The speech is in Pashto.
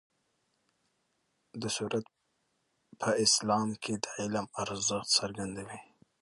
دا سورت په اسلام کې د علم ارزښت څرګندوي.